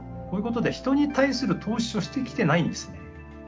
こういうことで人に対する投資をしてきてないんですね。